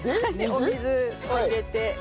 お水を入れて。